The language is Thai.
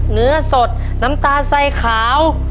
เนื้อสดน้ำตาลใส่ขาว